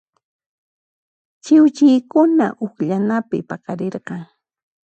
Chiwchiykuna uqllanapi paqarirqan.